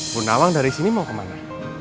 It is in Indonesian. bu nawang dari sini mau kemana